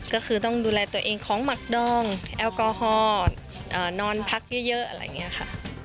ก็คือต้องดูแลตัวเองของหมักดองแอลกอฮอล์นอนพักเยอะอะไรอย่างนี้ค่ะ